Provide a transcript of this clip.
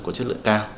có chất lượng cao